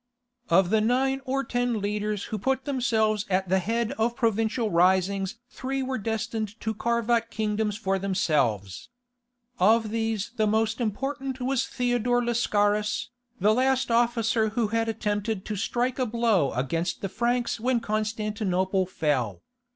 Of the nine or ten leaders who put themselves at the head of provincial risings three were destined to carve out kingdoms for themselves. Of these the most important was Theodore Lascaris, the last officer who had attempted to strike a blow against the Franks when Constantinople fell.